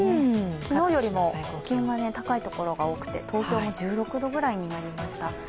昨日よりも気温が高いところが多くて、東京も１６度ぐらいになりました。